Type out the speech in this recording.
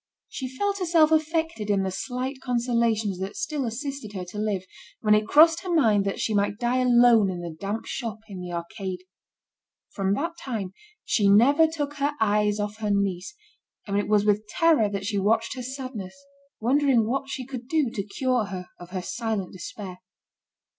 She felt herself affected in the slight consolations that still assisted her to live, when it crossed her mind that she might die alone in the damp shop in the arcade. From that time, she never took her eyes off her niece, and it was with terror that she watched her sadness, wondering what she could do to cure her of her silent despair.